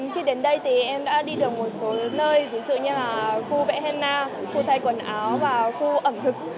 khi đến đây thì em đã đi được một số nơi ví dụ như là khu vẽ henna khu thay quần áo và khu ẩm thực